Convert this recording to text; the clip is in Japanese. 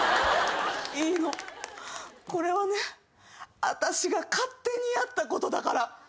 いいのこれはねあたしが勝手にやったことだから。